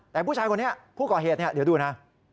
แต่ผู้ชายคนนี้ผู้ก่อเหตุเนี่ยเดี๋ยวดูนะ